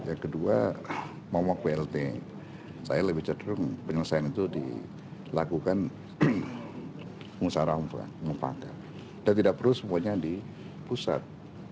yang kedua momok blt saya lebih cenderung penyelesaian itu dilakukan pengusaha dan tidak perlu semuanya di pusat